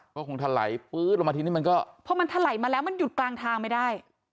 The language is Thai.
ก็คงถลายปื๊ดลงมาทีนี้มันก็พอมันถลายมาแล้วมันหยุดกลางทางไม่ได้